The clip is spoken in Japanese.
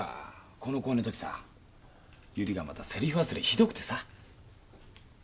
この公演のときさ由理がまたセリフ忘れひどくてさ。